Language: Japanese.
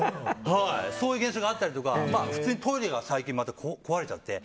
そういう現象があったりあとはトイレが最近壊れちゃって。